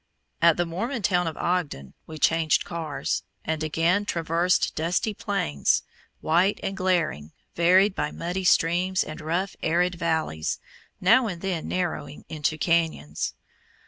At the Mormon town of Ogden we changed cars, and again traversed dusty plains, white and glaring, varied by muddy streams and rough, arid valleys, now and then narrowing into canyons.